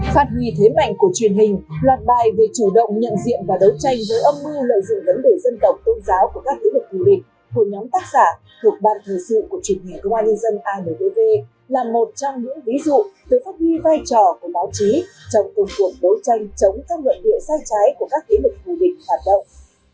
phát huy thế mạnh của truyền hình loạt bài về chủ động nhận diện và đấu tranh với âm mưu lợi dựng vấn đề dân tộc tôn giáo của các kỹ lực thủ địch của nhóm tác giả thuộc ban thời sự của truyền hình công an nhân dân intv là một trong những ví dụ từ phát huy vai trò của báo chí trong cuộc cuộc đấu tranh chống các nguyện địa sai trái của các kỹ lực thủ địch hoạt động